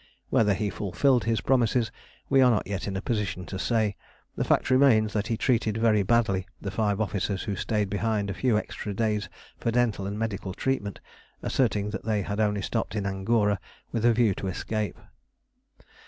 Whether he fulfilled his promises we are not yet in a position to say; the fact remains that he treated very badly the five officers who stayed behind a few extra days for dental and medical treatment, asserting that they had only stopped in Angora with a view to escape.